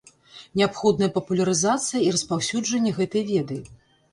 Неабходныя папулярызацыя і распаўсюджанне гэтай веды.